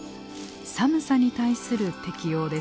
寒さに対する適応です。